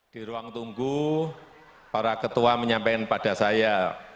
di ruang tunggu para ketua menyampaikan pada saya